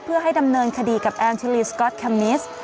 เพื่อให้ดำเนินคดีกับแอนทิลีสก๊อตแคมมิส